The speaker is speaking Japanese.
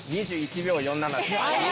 ２１秒４７です。